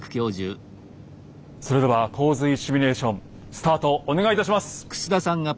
それでは洪水シミュレーションスタートお願いいたします！